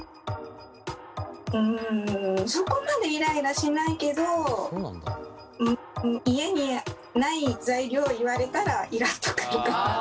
うんそこまでイライラしないけど家にない材料言われたらイラっと来るかな。